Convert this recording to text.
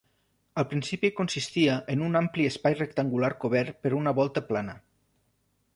Al principi consistia en un ampli espai rectangular cobert per una volta plana.